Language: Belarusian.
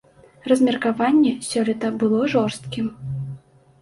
Размеркаванне сёлета было жорсткім.